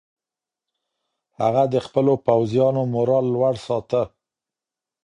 هغه د خپلو پوځیانو مورال لوړ ساته.